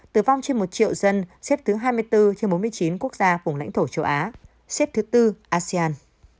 tử vong trên một triệu dân xếp thứ hai mươi bốn trên bốn mươi chín quốc gia vùng lãnh thổ châu á xếp thứ tư asean